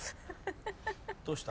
どうした？